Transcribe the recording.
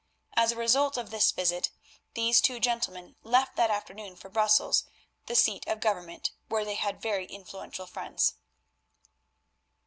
As a result of this visit, these two gentlemen left that afternoon for Brussels, the seat of Government, where they had very influential friends.